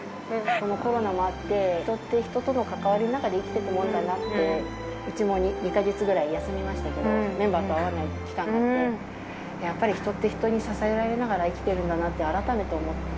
コロナもあって人って人との関わりの中で生きてくものだなって、うちも２か月ぐらい休みましたけど、メンバーと会わない期間があって、やっぱり人って、人に支えられながら生きてるんだなって改めて思って。